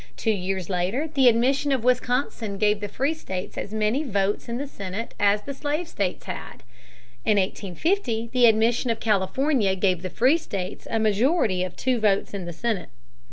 Two years later the admission of Wisconsin gave the free states as many votes in the Senate as the slave states had. In 1850 the admission of California gave the free states a majority of two votes in the Senate.